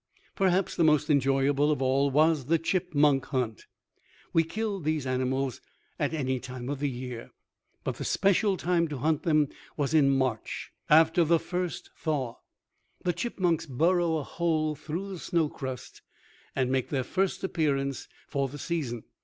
Perhaps the most enjoyable of all was the chipmunk hunt. We killed these animals at any time of year, but the special time to hunt them was in March. After the first thaw, the chipmunks burrow a hole through the snow crust and make their first appearance for the season.